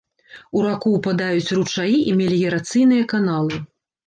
У раку ўпадаюць ручаі і меліярацыйныя каналы.